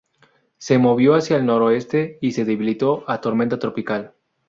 Se movió hacia el noroeste, y se debilitó a tormenta tropical.